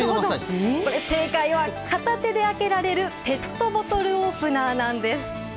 正解は片手で開けられるペットボトルオープナーなんです。